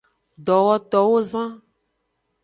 Dowotowozan.